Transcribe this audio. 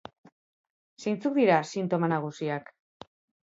Zeintzuk dira sintoma nagusiak?